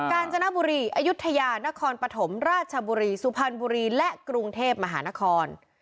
การจนบุรีอายุทยานครปฐมราชบุรีสุพรรณบุรีและกรุงเทพมหานคร